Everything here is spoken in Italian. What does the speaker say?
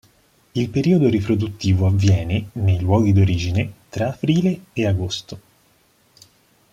Il periodo riproduttivo avviene, nei luoghi d'origine, tra aprile e agosto.